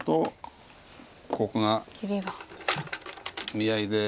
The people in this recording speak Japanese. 見合いで。